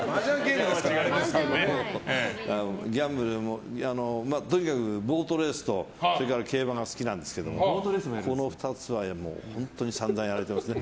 ギャンブルはとにかくボートレースとそれから競馬が好きなんですがこの２つは本当に散々やられてますね。